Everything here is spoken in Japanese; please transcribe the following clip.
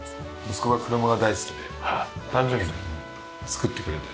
息子が車が大好きで誕生日の時に作ってくれて。